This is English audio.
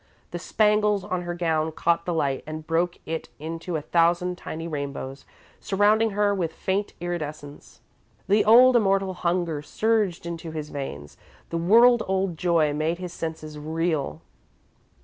The spangles on her gown caught the light and broke it into a thousand tiny rainbows, surrounding her with faint iridescence. The old, immortal hunger surged into his veins, the world old joy made his senses reel.